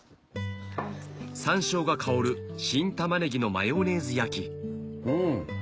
山椒が香る新玉ねぎのマヨネーズ焼きうん。